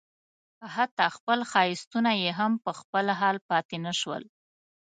حتی خپل ښایستونه یې هم په خپل حال پاتې نه شول.